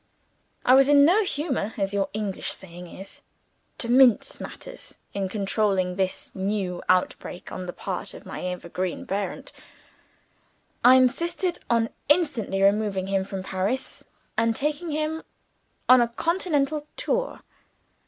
I was in no humour (as your English saying is) to mince matters, in controlling this new outbreak on the part of my evergreen parent. I insisted on instantly removing him from Paris, and taking him on a continental tour.